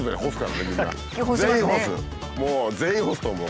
あと全員干すと思う。